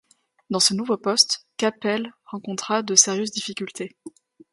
Dans ce nouveau poste, Capelle rencontra de sérieuses difficultés.